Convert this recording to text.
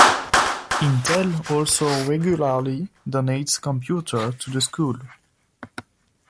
Intel also regularly donates computers to the school.